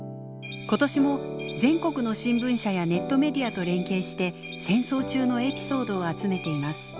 今年も全国の新聞社やネットメディアと連携して戦争中のエピソードを集めています。